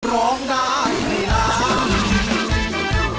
ร้องได้ให้ล้าน